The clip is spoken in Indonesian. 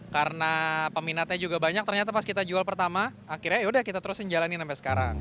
karena peminatnya juga banyak ternyata pas kita jual pertama akhirnya yaudah kita terusin jalanin sampai sekarang